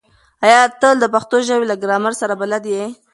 ایا ته د پښتو ژبې له ګرامر سره بلد یې؟